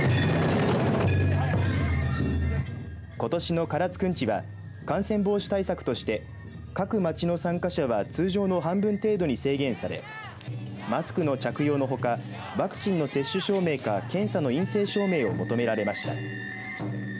ことしの唐津くんちは感染防止対策として各町の参加者は通常の半分程度に制限されマスクの着用のほかワクチンの接種証明か検査の陰性証明を求められました。